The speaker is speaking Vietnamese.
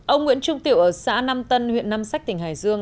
ông nguyễn trung tiểu ở xã nam tân huyện nam sách tỉnh hải dương